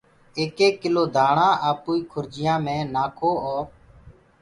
ايڪ ايڪ ڪلو دآڻآ آپوئي کرجيآنٚ مي نآکو اور